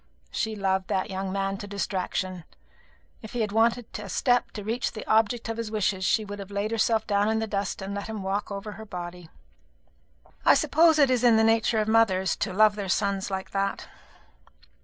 She loved that young man to distraction. If he had wanted a step to reach the object of his wishes, she would have laid herself down in the dust and let him walk over her body. I suppose it is in the nature of mothers to love their sons like that.